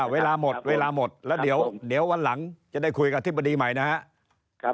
เวลาหมดเวลาหมดแล้วเดี๋ยววันหลังจะได้คุยกับอธิบดีใหม่นะครับ